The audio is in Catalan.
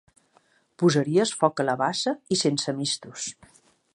Posaries foc a la bassa i sense mistos.